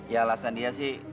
ya alasan dia sih